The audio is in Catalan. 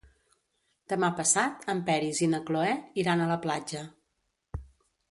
Demà passat en Peris i na Cloè iran a la platja.